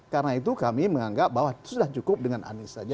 karena itu kami menganggap bahwa sudah cukup dengan anis saja